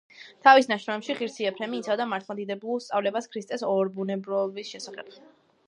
თავის ნაშრომებში ღირსი ეფრემი იცავდა მართლმადიდებლურ სწავლებას ქრისტეს ორბუნებოვნების შესახებ.